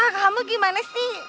kamu gimana sih